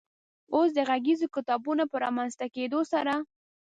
اوس د غږیزو کتابونو په رامنځ ته کېدو سره